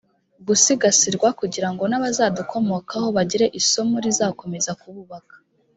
gusigasirwa kugirango n abazadukomokaho bayigire isomo rizakomeza kubaka